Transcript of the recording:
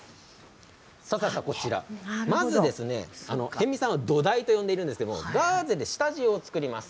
まず逸見さんは土台と呼んでいるんですけれどもガーゼで下地を作ります。